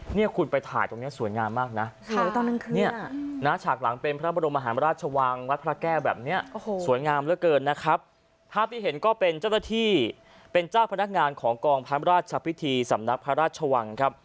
นี่คุณไปถ่ายตรงนี้สวยงามมากนะ